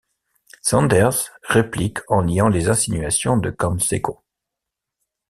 Saunders réplique en niant les insinuations de Canseco.